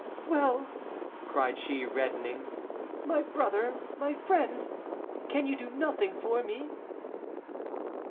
"Well!" cried she, reddening, "my brother, my friend, can you do nothing for me?"